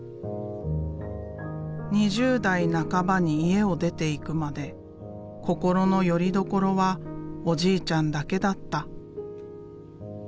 ２０代半ばに家を出ていくまで心のよりどころはおじいちゃんだけだった。